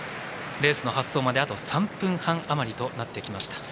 レースの発走まであと３分半あまりとなってきました。